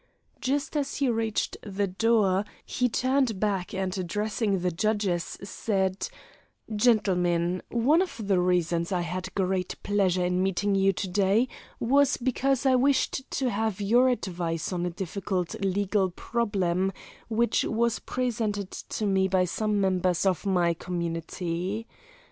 Just as he reached the door he turned back and addressing the judges, said: "Gentlemen, one of the reasons I had great pleasure in meeting you to day was because I wished to have your advice on a difficult legal problem which has been presented to me by some members of my community.